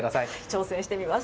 挑戦してみます。